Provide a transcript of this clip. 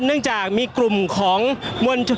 ก็น่าจะมีการเปิดทางให้รถพยาบาลเคลื่อนต่อไปนะครับ